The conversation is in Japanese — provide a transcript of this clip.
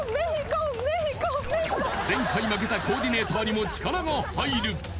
前回負けたコーディネーターにも力が入る